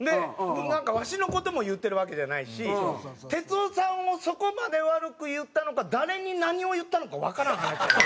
ワシの事も言ってるわけじゃないし哲夫さんをそこまで悪く言ったのか誰に何を言ったのかわからん話だったんですよ。